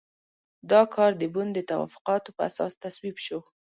دا کار د بن د توافقاتو په اساس تصویب شو.